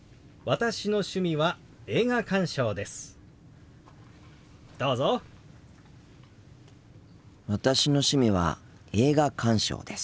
私の趣味は映画鑑賞です。